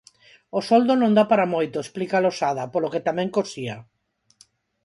O soldo non dá para moito, explica Losada, polo que tamén cosía.